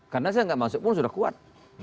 karena saya enggak masuk pun sudah kuat